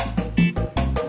nanti dia makin